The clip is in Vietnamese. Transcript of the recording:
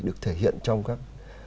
được thể hiện trong các